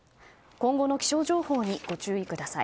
今後の気象情報にご注意ください。